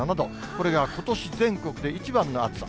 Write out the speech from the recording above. これがことし全国で一番の暑さ。